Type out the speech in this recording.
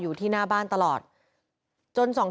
พุ่งเข้ามาแล้วกับแม่แค่สองคน